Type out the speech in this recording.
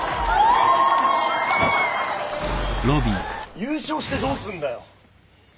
優勝してどうすんだよ！